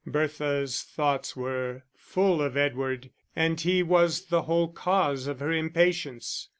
Bertha's thoughts were full of Edward, and he was the whole cause of her impatience.